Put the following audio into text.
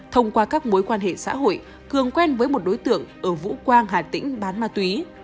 thông qua các mối quan hệ xã hội cường quen với một đối tượng ở vũ quang hà tĩnh bán ma túy